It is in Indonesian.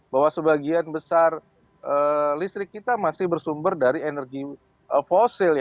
bahwa sebagian besar listrik kita masih bersumber dari energi fosil